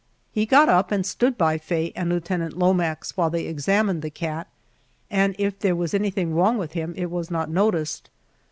He got up and stood by Faye and Lieutenant Lomax while they examined the cat, and if there was anything wrong with him it was not noticed.